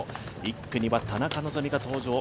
１区には田中希実が登場。